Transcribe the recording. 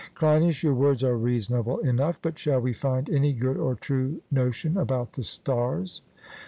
CLEINIAS: Your words are reasonable enough; but shall we find any good or true notion about the stars?